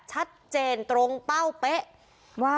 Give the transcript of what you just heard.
ชัดเจนตรงเป้าเป๊ะว่า